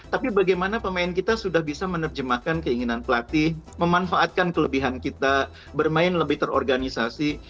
tapi bagaimana pemain kita sudah bisa menerjemahkan keinginan pelatih memanfaatkan kelebihan kita bermain lebih terorganisasi